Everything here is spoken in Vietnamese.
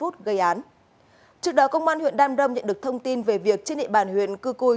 trước đó công an huyện đam rông nhận được thông tin về việc trên địa bàn huyện cư cui